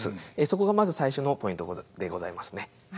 そこがまず最初のポイントでございますね。